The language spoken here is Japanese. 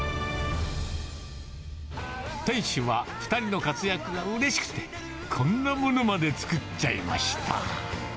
店主は、２人の活躍がうれしくて、こんなものまで作っちゃいました。